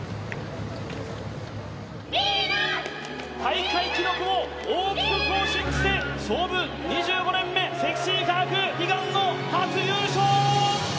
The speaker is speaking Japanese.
大会記録を大きく更新して、創部２５年目、積水化学悲願の初優勝！